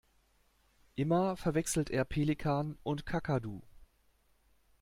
Immer verwechselt er Pelikan und Kakadu.